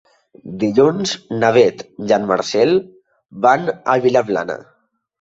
Dilluns na Beth i en Marcel van a Vilaplana.